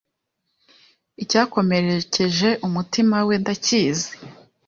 Icyakomerekeje umutima we ndakizi